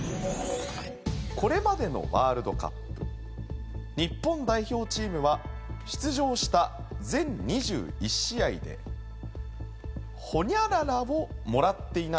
これまでのワールドカップ日本代表チームは出場した全２１試合でホニャララをもらっていないという。